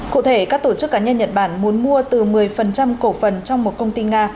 cụ thể các tổ chức cá nhân nhật bản muốn mua từ một mươi cổ phần trong một công ty nga